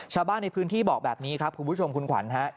ชาวบ้านในพื้นที่บอกแบบนี้ครับคุณผู้ชมคุณขวัญฮะ